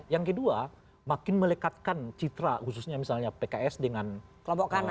yang kedua makin melekatkan citra khususnya misalnya pks dengan kelompok kanan